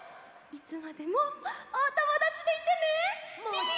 いつまでもおともだちでいてね！